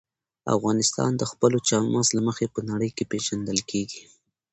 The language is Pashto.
افغانستان د خپلو چار مغز له مخې په نړۍ کې پېژندل کېږي.